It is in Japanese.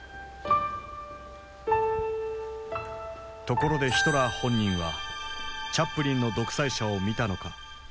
ところでヒトラー本人はチャップリンの「独裁者」を見たのか。